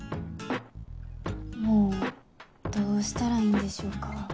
もうどうしたらいいんでしょうか。